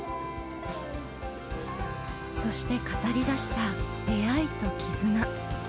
そして語りだした出会いと絆。